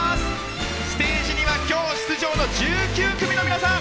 ステージには今日出場の１９組の皆さん。